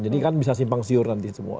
jadi kan bisa simpang siur nanti semua